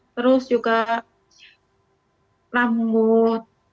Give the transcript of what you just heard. terus juga rambut